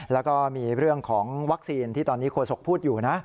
แล้วก็มีเรื่องของวัคซีนที่ตอนนี้โฆษกพูดอยู่นะ